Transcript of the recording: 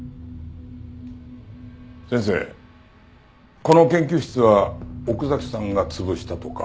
先生この研究室は奥崎さんが潰したとか。